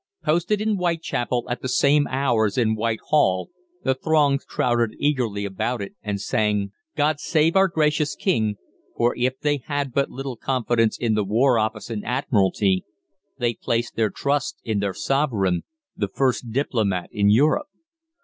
Posted in Whitechapel at the same hour as in Whitehall, the throngs crowded eagerly about it and sang "God Save our Gracious King," for if they had but little confidence in the War Office and Admiralty, they placed their trust in their Sovereign, the first diplomat in Europe.